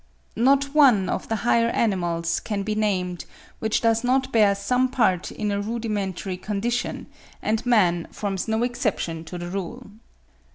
') Not one of the higher animals can be named which does not bear some part in a rudimentary condition; and man forms no exception to the rule.